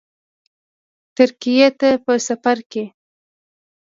ترکیې ته په سفرکې